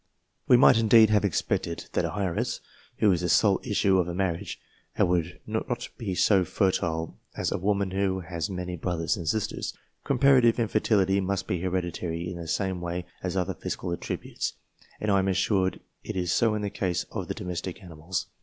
We might, indeed, have expected that an heiress, who is the sole issue of a marriage, would not be so fertile as a woman who has many brothers and sisters. Comparative infertility must be hereditary in the same way as other physical attributes, and I am assured it is so in the case of the domestic animals.